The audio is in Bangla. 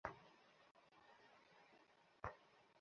কাজ না হলে কী করবো।